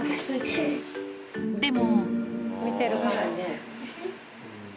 でも。